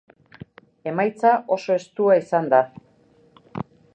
Emaitza oso estua izan da.